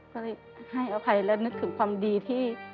ก็เลยให้อภัยและนึกถึงความดีที่